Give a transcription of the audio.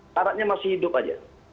syaratnya masih hidup aja